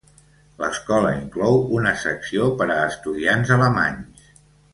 L"escola inclou una secció per a estudiants alemanys.